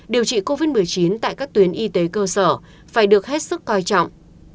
điều trị covid một mươi chín tại các tuyến y tế cơ sở phải được hết sức coi trọng